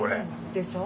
でしょう。